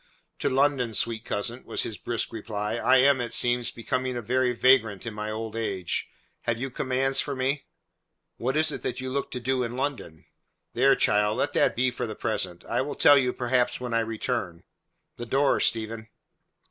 "To London, sweet cousin," was his brisk reply. "I am, it seems, becoming a very vagrant in my old age. Have you commands for me?" "What is it you look to do in London?" "There, child, let that be for the present. I will tell you perhaps when I return. The door, Stephen."